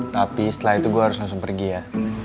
tapi setelah itu gue harus langsung pergi ya